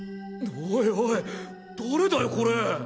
おいおい誰だよこれ。